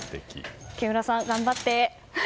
木村さん、頑張って！